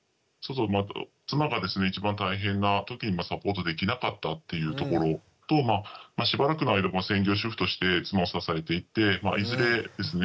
妻がですね一番大変な時にサポートできなかったっていうところとしばらくの間専業主夫として妻を支えていっていずれですね